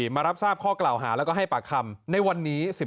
มารับทราบข้อกล่าวหาแล้วก็ให้ปากคำในวันนี้